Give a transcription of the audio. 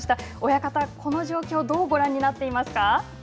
親方、この状況をどうご覧になっていますか。